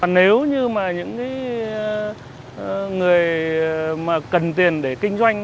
nếu như mà những người mà cần tiền để kinh doanh